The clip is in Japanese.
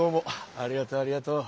ありがとうありがとう。